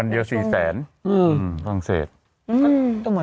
วันเดียว๔แสน